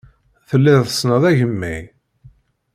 Telliḍ tessneḍ agemmay.